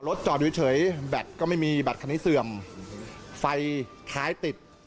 จอดอยู่เฉยแบตก็ไม่มีบัตรคันนี้เสื่อมไฟท้ายติด